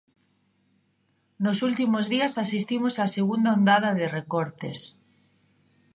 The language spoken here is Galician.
Nos últimos días asistimos a segunda ondada de recortes.